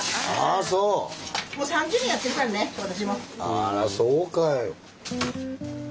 あらそうかい。